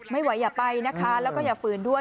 อย่าไปนะคะแล้วก็อย่าฝืนด้วย